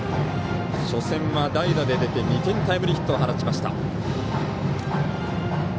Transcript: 初戦は代打で出て２点タイムリーヒットを放ちました。